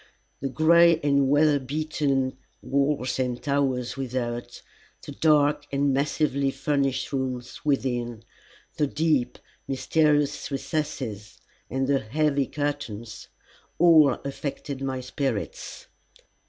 The gray and weather beaten walls and towers without, the dark and massively furnished rooms within, the deep, mysterious recesses and the heavy curtains, all affected my spirits.